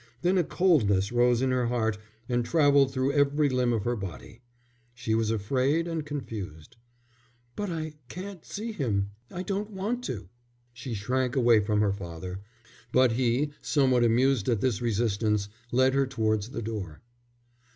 Then a coldness rose in her heart and travelled through every limb of her body. She was afraid and confused. "But I can't see him, I don't want to." She shrank away from her father; but he, somewhat amused at this resistance, led her towards the door.